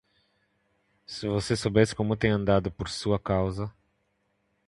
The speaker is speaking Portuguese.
Se você soubesse como eu tenho andado, por sua causa.